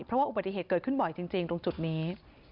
เพราะว่าอุบัติเหตุเกิดขึ้นบ่อยจริงตรงจุดนี้